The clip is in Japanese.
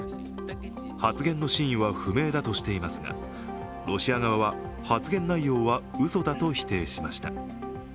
発言の真意は不明だとしていますがロシア側は発言内容はうそだと否定しました。